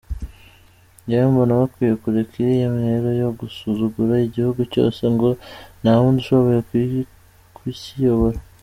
Jyewe mbona bakwiye kureka iriya ntero yo gusuzugura igihugu cyose ngo ntawundi ushoboye kukiyobora!